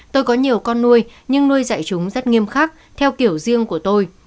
tôi có nhiều con nuôi nhưng nuôi dạy chúng rất nghiêm khắc theo kiểu riêng của tôi